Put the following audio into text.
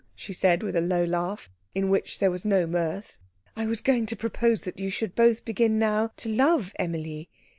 she said, with a low laugh in which there was no mirth. "I was going to propose that you should both begin now to love Emilie.